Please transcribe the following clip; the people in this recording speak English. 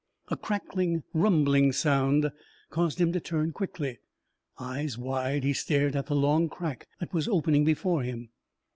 A crackling, rumbling sound caused him to turn quickly. Eyes wide, he stared at the long crack that was opening before him.